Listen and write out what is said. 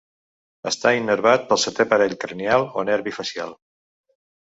Està innervat pel setè parell cranial o nervi facial.